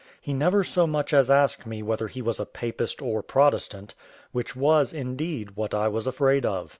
He never so much as asked me whether he was a Papist or Protestant, which was, indeed, what I was afraid of.